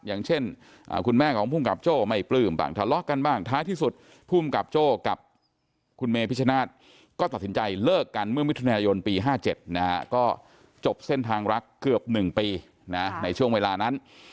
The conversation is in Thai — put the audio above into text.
อย่างเช่นคุณแม่ของภูมิกับโจ้ไม่ปลืมบางทะเลาะกันบ้าง